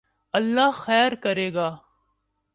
اللہ خیر کرے گا